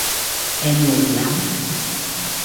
Em mừng lắm